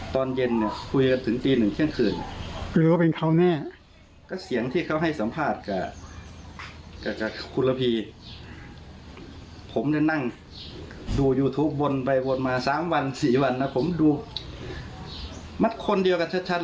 แต่ชัดเลยแล้วไทม์ไลน์มันแบบอย่างเงี้ย